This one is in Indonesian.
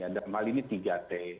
dan mal ini tiga t